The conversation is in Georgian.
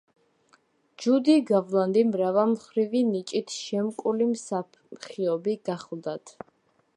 ჯუდი გარლანდი მრავალმხრივი ნიჭით შემკული მსახიობი გახლდათ.